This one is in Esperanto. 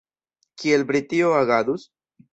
Kiel Britio agadus?